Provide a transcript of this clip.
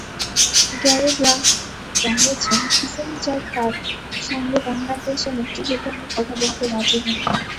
Gary Brass জানিয়েছেন, কিসিঞ্জারের তাঁর সঙ্গে বাংলাদেশের মুক্তিযুদ্ধ নিয়ে কথা বলতে রাজি হননি।